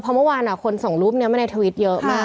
เพราะเมื่อวานคนส่งรูปนี้มาในทวิตเยอะมาก